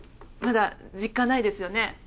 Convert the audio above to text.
まだ実感ないですよね？